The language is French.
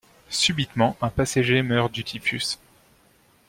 Subitement un passager meurt du Typhus.